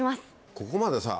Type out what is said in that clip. ここまでさぁ。